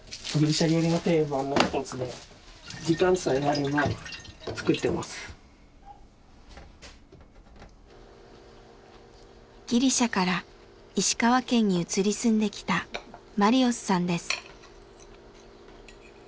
こういうギリシャから石川県に移り住んできたマリオスさんです。